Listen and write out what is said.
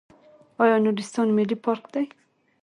آیا نورستان ملي پارک دی؟